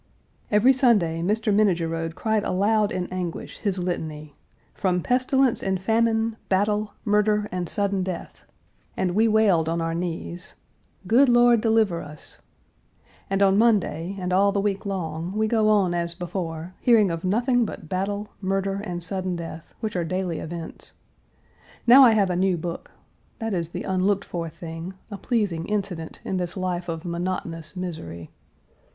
Every Sunday Mr. Minnegerode cried aloud in anguish his litany, "from pestilence and famine, battle, murder, Page 278 and sudden death," and we wailed on our knees, "Good Lord deliver us," and on Monday, and all the week long, we go on as before, hearing of nothing but battle, murder, and sudden death, which are daily events. Now I have a new book; that is the unlooked for thing, a pleasing incident in this life of monotonous misery.